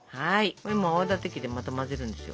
これも泡立て器でまた混ぜるんですよ。